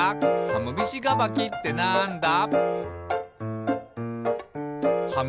「はむみしがばきってなんだ？」